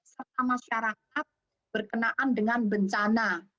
serta masyarakat berkenaan dengan bencana